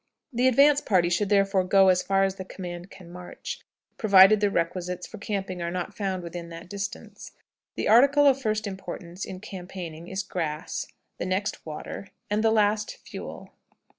The advance party should therefore go as far as the command can march, provided the requisites for camping are not found within that distance. The article of first importance in campaigning is grass, the next water, and the last fuel.